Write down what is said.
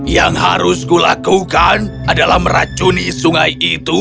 yang harus kulakukan adalah meracuni sungai itu